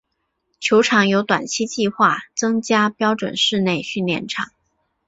球场有短期计划增加标准室内训练场。